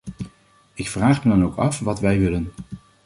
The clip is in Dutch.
Ik vraag me dan ook af wat wij willen.